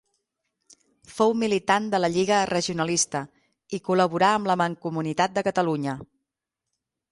Fou militant de la Lliga Regionalista i col·laborà amb la Mancomunitat de Catalunya.